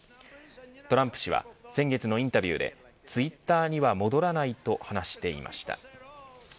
トランプ氏は先月のインタビューでツイッターには戻らないと話していました。